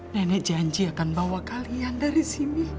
nenek janji akan bawa kalian dari sini